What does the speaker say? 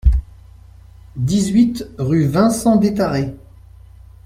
dix-huit rue Vincent Détharé